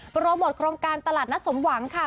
โปรโมทโครงการตลาดนัดสมหวังค่ะ